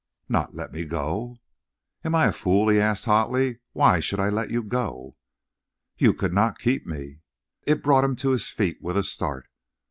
"Not let me go?" "Am I a fool?" he asked hotly. "Why should I let you go?" "You could not keep me." It brought him to his feet with a start.